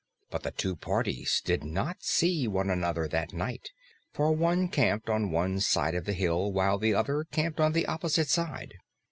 But the two parties did not see one another that night, for one camped on one side of the hill while the other camped on the opposite side.